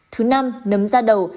thứ năm nấm da đầu